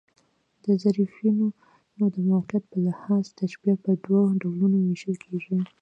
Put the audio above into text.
د طرفَینو د موقعیت په لحاظ، تشبیه پر دوه ډولونو وېشل کېږي.